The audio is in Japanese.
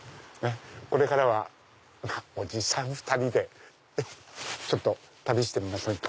これからはおじさん２人でちょっと旅してみませんか？